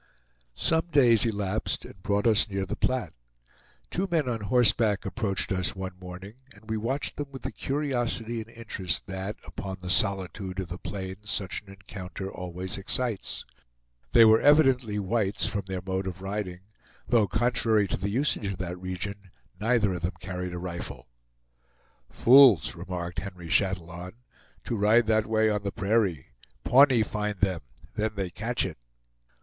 Some days elapsed, and brought us near the Platte. Two men on horseback approached us one morning, and we watched them with the curiosity and interest that, upon the solitude of the plains, such an encounter always excites. They were evidently whites, from their mode of riding, though, contrary to the usage of that region, neither of them carried a rifle. "Fools!" remarked Henry Chatillon, "to ride that way on the prairie; Pawnee find them then they catch it!"